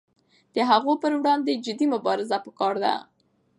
د هغو پر وړاندې جدي مبارزه پکار ده.